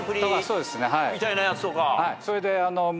それで。